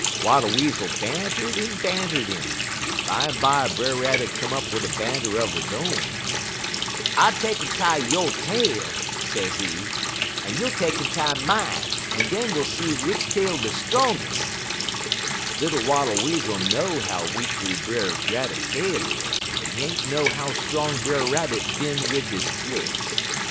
Wattle Weasel banter'd en banter'd 'im, en bimeby Brer Rabbit come up wid a banter er he own. "'I'll take'n tie yo' tail,' sezee, 'en you'll take'n tie mine, en den we'll see w'ich tail de strongest.' Little Wattle Weasel know how weakly Brer Rabbit tail is, but he ain't know how strong Brer Rabbit bin wid he tricks.